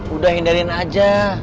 udah hindarin aja